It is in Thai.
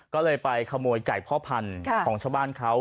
ก็เลยไปขโมยไก่พ่อพันธุ์ของชาวบ้านเขา